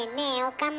岡村。